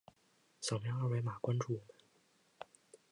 扫描二维码关注我们。